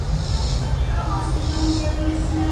Parece que Link es el único que puede verla y oírla...